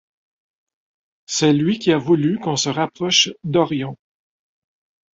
C'est lui qui a voulu qu'on se rapproche d'Orion.